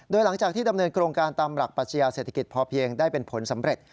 โดยหลังจากที่ดำเนินโครงการตามหลักปัชญาเศรษฐกิจพอเพียงได้เป็นผลสำเร็จ